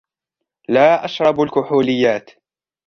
لا أشرب الكحوليات